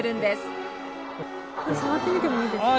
これ触ってみてもいいですか？